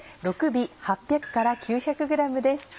６尾８００から９００ｇです。